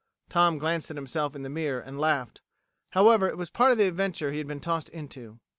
Tom glanced at himself in the mirror and laughed. However, it was part of the adventure he had been tossed into.